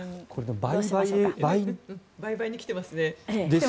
倍々で来てますね。